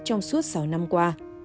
trong suốt sáu năm qua